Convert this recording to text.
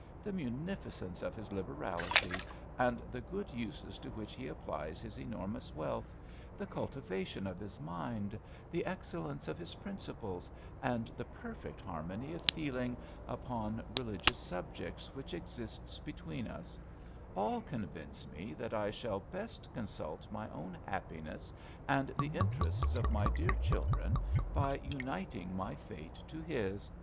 The munificence of his liberality, and the good uses to which he applies his enormous wealth, the cultivation of his mind, the excellence of his principles, and the perfect harmony of feeling upon religious subjects which exists between us, all convince me that I shall best consult my own happiness and the interests of my dear children by uniting my fate to his.